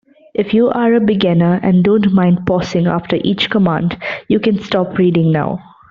If you are a beginner and don't mind pausing after each command, you can stop reading now.